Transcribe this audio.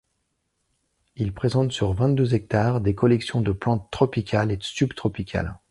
Il présente sur vingt-deux hectares des collections de plantes tropicales et subtropicales.